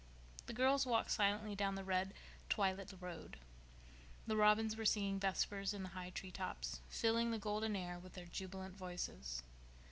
The girls walked silently down the red, twilit road. The robins were singing vespers in the high treetops, filling the golden air with their jubilant voices.